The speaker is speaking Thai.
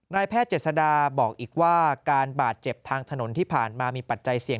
แพทย์เจษดาบอกอีกว่าการบาดเจ็บทางถนนที่ผ่านมามีปัจจัยเสี่ยง